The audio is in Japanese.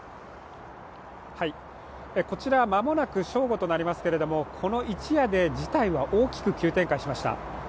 こちらは間もなく正午となりますけれども、この一夜で事態は大きく急展開しました。